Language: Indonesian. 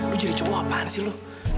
lo jadi cowok apaan sih lo